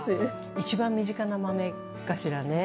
一番身近な豆かしらね。